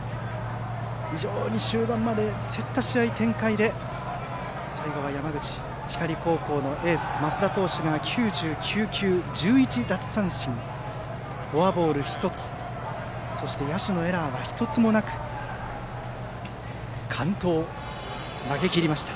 非常に終盤まで競った試合展開で最後は山口・光高校のエース升田投手が９９球、１１奪三振フォアボール１つそして野手のエラーは１つもなく完投、投げきりました。